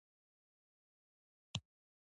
محمودشاه بریالی حمله کړې وه.